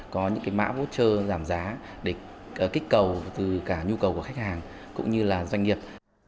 có những cái mã voucher giảm giá để kích cầu từ cả nhu cầu của khách hàng cũng như là doanh nghiệp